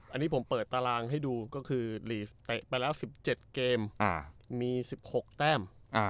อันนี้ผมเปิดตารางให้ดูก็คือลีสเตะไปแล้ว๑๗เกมมี๑๖แต้ม